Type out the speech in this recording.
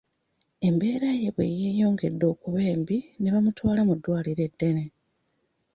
Embeera ye bwe yeeyongedde okuba embi ne bamutwala mu ddwaliro eddene.